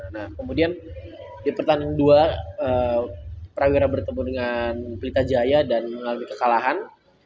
nah kemudian di pertandingan dua prawira bertemu dengan pelita jaya dan mengalami kekalahan